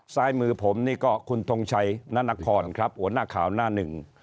ซ้ายมือผมนี่ก็คุณทงชัยนานครครับหัวหน้าข่าวหน้าหนึ่ง